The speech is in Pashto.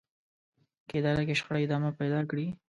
که اداره کې شخړې ادامه پيدا کړي.